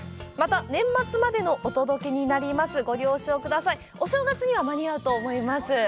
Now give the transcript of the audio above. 年末までのお届けになりますのでお正月には間に合うと思います。